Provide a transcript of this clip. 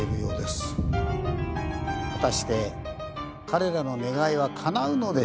果たして彼らの願いはかなうのでしょうか。